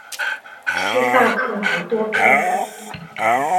西萨克梅多克。